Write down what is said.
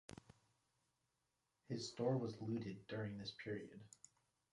His store was looted during this period.